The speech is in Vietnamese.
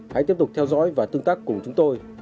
hãy tiếp tục theo dõi và tương tác cùng chúng tôi